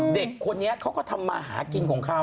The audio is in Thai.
เด็กคนนี้เขาก็ทำมาหากินของเขา